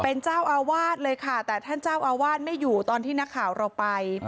เป็นเจ้าอาวาสเลยค่ะแต่ท่านเจ้าอาวาสไม่อยู่ตอนที่นักข่าวเราไป